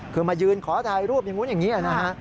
คือมายืนขอถ่ายรูปอย่างนู้นอย่างนี้นะฮะ